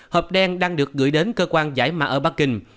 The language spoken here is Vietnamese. hộp đen đang được gửi đến cơ quan giải mạc ở bắc kinh